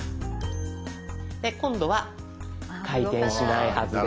今度は回転しないはずです。